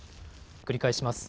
繰り返します。